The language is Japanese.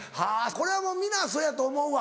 これは皆そうやと思うわ。